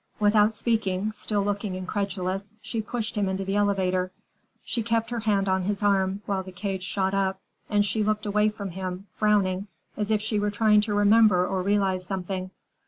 Without speaking, still looking incredulous, she pushed him into the elevator. She kept her hand on his arm while the cage shot up, and she looked away from him, frowning, as if she were trying to remember or realize something.